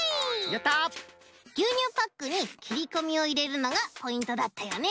やったぎゅうにゅうパックにきりこみをいれるのがポイントだったよね